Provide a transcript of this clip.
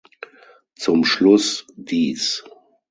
Zum Schluss dies.